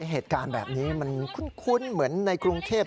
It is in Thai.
เหตุการณ์แบบนี้มันคุ้นเหมือนในกรุงเทพ